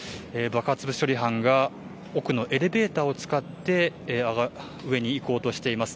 爆発物処理班が奥のエレベーターを使って上に行こうとしています。